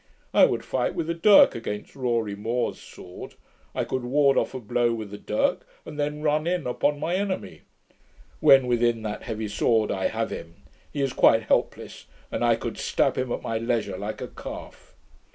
I would fight with a dirk against Rorie More's sword. I could ward off a blow with a dirk, and then run in upon my enemy. When within that heavy sword, I have him; he is quite helpless, and I could stab him at my leisure, like a calf.